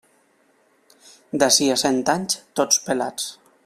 D'ací a cent anys, tots pelats.